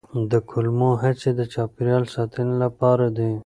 د کمولو هڅې د چاپیریال ساتنې لپاره دي.